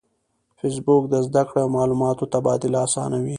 فېسبوک د زده کړې او معلوماتو تبادله آسانوي